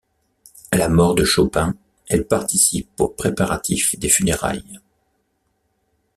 À la mort de Chopin, elle participe aux préparatifs des funérailles.